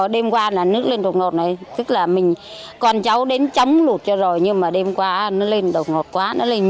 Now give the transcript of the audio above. điều này đang gây ra rất nhiều thiệt hại lớn cho người dân địa phương